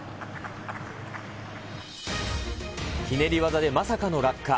ひねり技でまさかの落下。